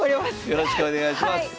よろしくお願いします！